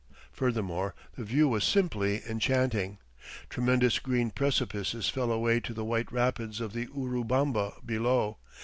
Furthermore, the view was simply enchanting. Tremendous green precipices fell away to the white rapids of the Urubamba below.